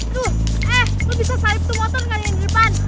duh eh lo bisa salip tuh motor gak yang di depan